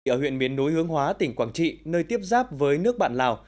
ở huyện miền núi hướng hóa tỉnh quảng trị nơi tiếp giáp với nước bạn lào